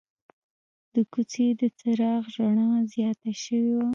د کوڅې د چراغ رڼا زیاته شوې وه.